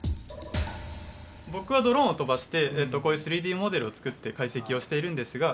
僕はドローンを飛ばしてこういう３Ｄモデルを作って解析をしているんですが。